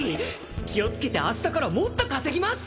気をつけて明日からもっと稼ぎます